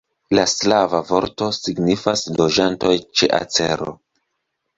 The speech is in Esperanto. La slava vorto signifas: loĝantoj ĉe acero.